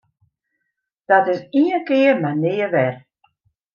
Dat is ien kear mar nea wer!